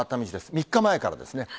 ３日前からですね。